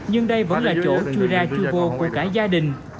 nhưng đây vẫn là chỗ chui ra chua vô của cả gia đình